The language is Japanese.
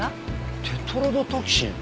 テトロドトキシン？